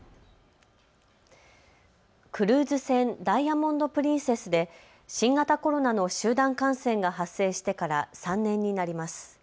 クルーズ船、ダイヤモンド・プリンセスで新型コロナの集団感染が発生してから３年になります。